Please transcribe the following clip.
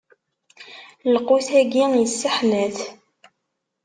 Lqut-agi isseḥnat.